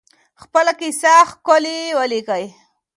خپله کیسه ښکلې ولیکئ.